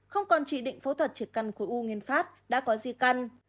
không còn chỉ định phẫu thuật triệt căn khối u nguyên pháp đã có di căn